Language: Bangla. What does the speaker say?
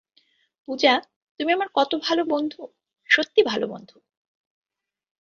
পূজা, তুমি আমার কত ভালো বন্ধু, সত্যি ভাল বন্ধু।